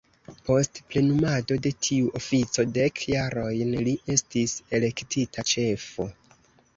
Post plenumado de tiu ofico dek jarojn li estis elektita ĉefo.